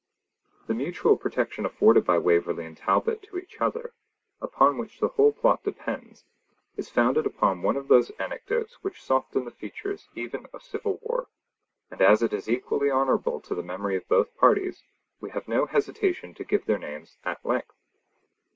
The mutual protection afforded by Waverley and Talbot to each other, upon which the whole plot depends, is founded upon one of those anecdotes which soften the features even of civil war; and, as it is equally honourable to the memory of both parties, we have no hesitation to give their names at length.